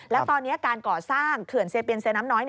แล้วตอนนี้การก่อสร้างเขื่อนเซเปียนเซน้ำน้อย